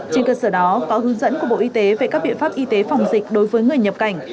trên cơ sở đó có hướng dẫn của bộ y tế về các biện pháp y tế phòng dịch đối với người nhập cảnh